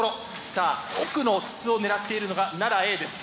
さあ奥の筒を狙っているのが奈良Ａです。